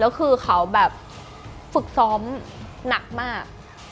แล้วคือเขาแบบฝึกซ้อมหนักมาก